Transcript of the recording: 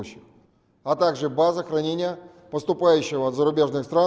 juru bicara kementerian pertahanan rusia